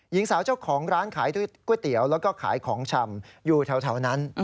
หญิงสาวเจ้าของร้านขายก๋วยเตี๋ยวแล้วก็ขายของชำอยู่แถวนั้น